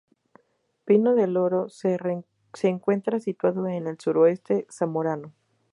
Pino del Oro se encuentra situado en el suroeste zamorano.